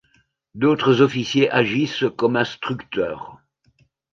D'autres officiers agissent comme instructeurs.